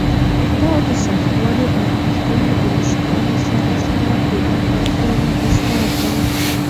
دا د سختوالي او کښتونو د نشتوالي سره سره د افراطیانو بستر دی.